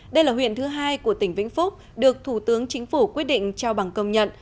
đây là huyện thứ hai của tỉnh vĩnh phúc được thủ tướng chính phủ quyết định trao bằng công nhận